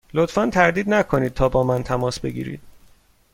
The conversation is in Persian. لطفا تردید نکنید تا با من تماس بگیرید.